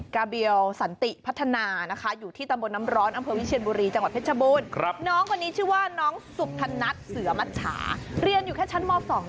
คืออันนี้คือยัน